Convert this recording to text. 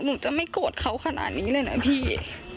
หนูจะไม่โกรธเขาขนาดนี้เลยนะพี่